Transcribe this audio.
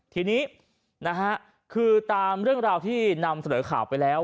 ทีนี้นะฮะคือตามเรื่องราวที่นำเสนอข่าวไปแล้ว